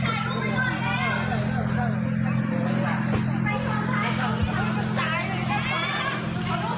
ตายลูกไม่ตายแล้ว